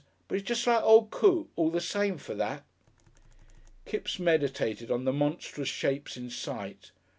But 'e's jest like old Coote all the same for that." Kipps meditated on the monstrous shapes in sight.